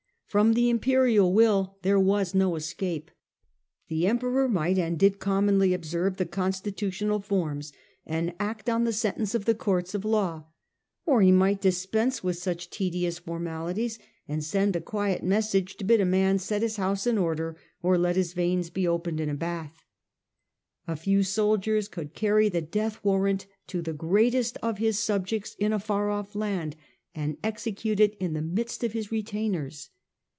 From the imperial will there was no escape. The Em peror might and did commonly obse ve the constitutional forms and act on the sentence of the courts of law, or he might dispense with such tedious no escape formalities and send a quiet message to bid a Emperor's man set his house in order or let his veins be opened in a bath. A few soldiers could carry the death warrant to the greatest of his subjects in a far off land, and execute it in the midst of his retainers.